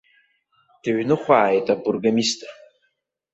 Дыҩныхәааит абургомистр.